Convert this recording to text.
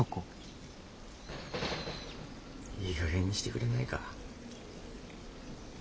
いいかげんにしてくれないか。